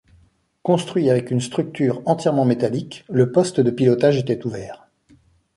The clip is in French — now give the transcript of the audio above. Construit avec une structure entièrement métallique, le poste de pilotage était ouvert.